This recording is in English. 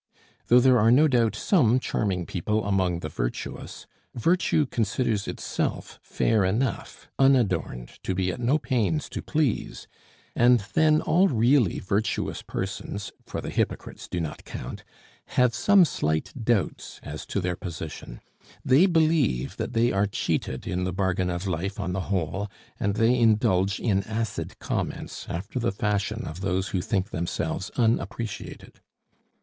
Though there are no doubt some charming people among the virtuous, Virtue considers itself fair enough, unadorned, to be at no pains to please; and then all really virtuous persons, for the hypocrites do not count, have some slight doubts as to their position; they believe that they are cheated in the bargain of life on the whole, and they indulge in acid comments after the fashion of those who think themselves unappreciated.